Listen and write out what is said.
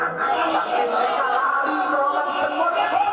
sampai mereka lari merobat semua orang di sini